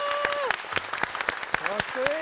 かっこいい！